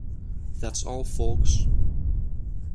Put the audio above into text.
Thats all folks.